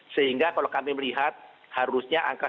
sehingga kalau kami melihat harusnya angka satu lima juta